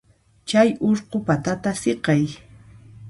Chay urqu patata siqay.